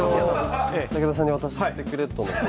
武田さんに渡してくれと。